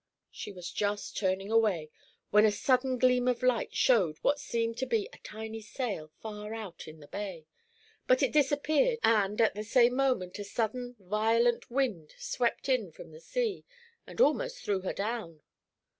She was just turning away, when a sudden gleam of light showed what seemed to be a tiny sail far out in the bay, but it disappeared and, at the same moment, a sudden, violent wind swept in from the sea, and almost threw her down.